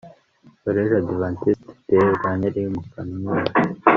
COLLEGE ADVENTISTE DE RWANKERI Mukamira